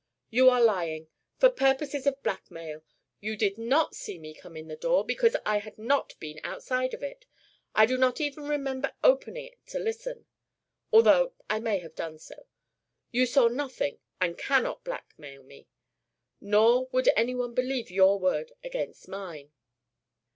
"You are lying for purposes of blackmail. You did not see me come in the door, because I had not been outside of it. I do not even remember opening it to listen, although I may have done so. You saw nothing and cannot blackmail me. Nor would any one believe your word against mine."